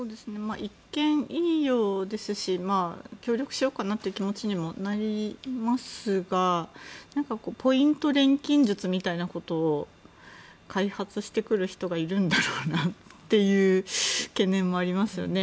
一見、いいようですし協力しようかなという気持ちにもなりますがポイント錬金術みたいなことを開発してくる人がいるんだろうなっていう懸念もありますよね。